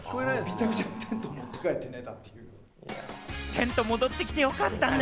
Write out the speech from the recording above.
テント、戻ってきてよかったね。